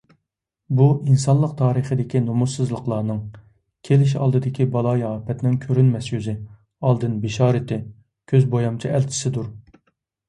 بۇ ئىنسانلىق تارىخىدىكى نۇمۇسسىزلىقلارنىڭ، كېلىش ئالدىدىكى بالايىئاپەتنىڭ كۆرۈنمەس يۈزى، ئالدىن بېشارىتى، كۆز بويامچى ئەلچىسىدۇر.